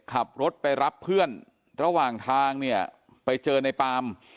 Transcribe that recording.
ขับรถไปรับเพื่อนระหว่างทางเนี่ยไปเจอในปาม